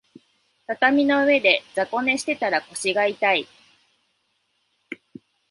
畳の上で雑魚寝してたら腰が痛い